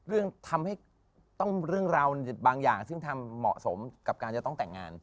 เรื่องทำให้ต้องเรื่องราวบางอย่างซึ่งทำเหมาะสมกับการจะต้องแต่งงาน